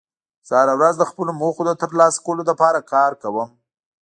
زه هره ورځ د خپلو موخو د ترلاسه کولو لپاره کار کوم